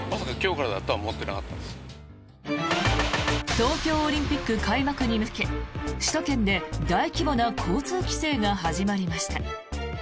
東京オリンピック開幕に向け首都圏で大規模な交通規制が始まりました。